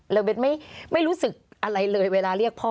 แล้วเบ้นไม่รู้สึกอะไรเลยเวลาเรียกพ่อ